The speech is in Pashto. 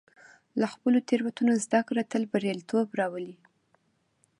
له خپلو تېروتنو زده کړه تل بریالیتوب راولي.